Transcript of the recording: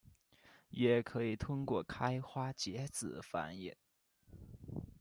也可以通过开花结籽繁衍。